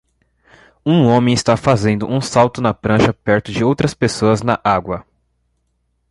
Um homem está fazendo um salto na prancha perto de outras pessoas na água.